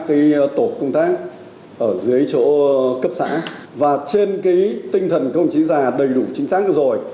các tổ công tác ở dưới chỗ cấp xã và trên cái tinh thần công chí già đầy đủ chính xác rồi